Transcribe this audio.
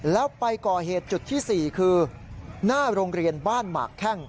แล้วไปก่อเหตุจุดที่๔คือหน้าโรงเรียนบ้านหมากแข้ง